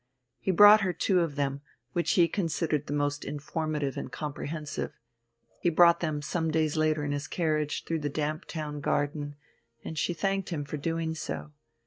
He brought her two of them, which he considered the most informative and comprehensive; he brought them some days later in his carriage through the damp Town Garden, and she thanked him for doing so.